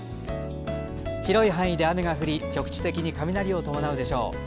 広い範囲で雨が降り局地的に雷を伴うでしょう。